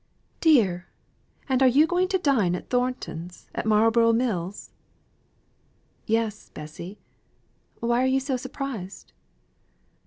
"Dear! and are you going to dine at Thornton's at Marlborough Mills?" "Yes, Bessy. Why are you so surprised?"